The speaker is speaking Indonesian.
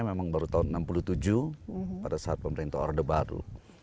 memang baru tahun enam puluh tujuh pada saat pemerintah order baru